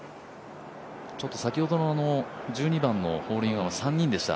ちょっと先ほどの１２番のホールインワンは３人でした。